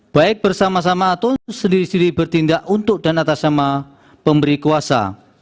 baik bersama sama atau sendiri sendiri bertindak untuk dan atas nama pemberi kuasa